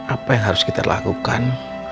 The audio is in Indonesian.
apa yang harus kita lakukan